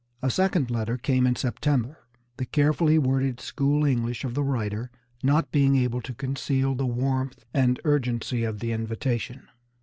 A second letter came in September, the carefully worded school English of the writer not being able to conceal the warmth and urgency of the invitation.